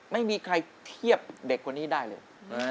ไม่มีใครเทียบเด็กคนนี้ได้เลย